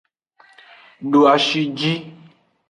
Doashi ji.